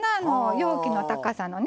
容器の高さのね。